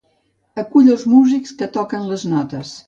Acull els músics que toquen les notes.